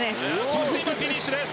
そして今、フィニッシュです。